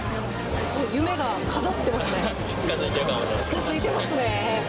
近づいてますね